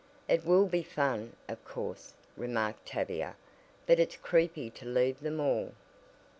"It will be fun, of course," remarked Tavia, "but it's creepy to leave them all."